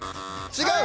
違う。